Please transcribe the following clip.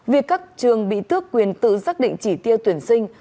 vì các trường bị thước quyền tự xác định chỉ tiêu tuyển sinh